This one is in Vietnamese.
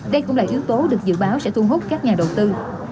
đây cũng là yếu tố được dự báo sẽ thu hút các nhà đầu tư